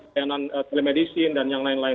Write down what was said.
layanan telemedicine dan yang lain lain